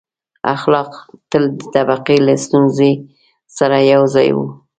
• اخلاق تل د طبقې له ستونزې سره یو ځای وو.